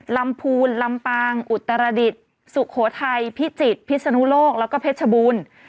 ลำพูนลำปางอุตรดิษฐ์สุโขทัยพิจิตรพิศนุโลกแล้วก็เพชรบูรณ์